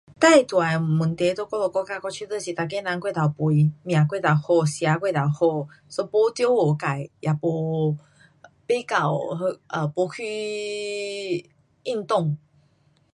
最大的问题在我们国家我觉得是每个人过头肥，命过头好。吃过头好，so 也没照顾自，也没，不够，呃，没去运动。